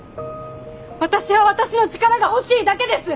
私は私の力が欲しいだけです！